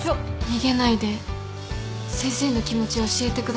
逃げないで先生の気持ち教えてください。